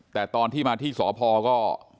แต่ตอนที่มาที่สพก็